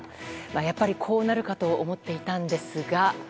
やっぱりこうなるかと思っていたんですが。